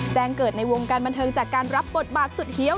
แจ้งเกิดในวงการบันเทิงจากการรับบทบาทสุดเฮียว